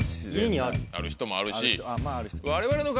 ある人もあるし。